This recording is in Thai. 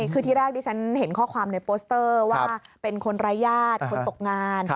คือที่แรกที่ฉันเห็นข้อความในโปสเตอร์ว่าเป็นคนไร้ญาติคนตกงาน